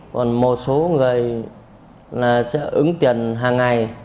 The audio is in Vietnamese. còn một số người là sẽ ứng tiền hàng ngày